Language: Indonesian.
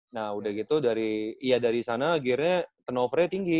nah udah gitu dari iya dari sana akhirnya turnover nya tinggi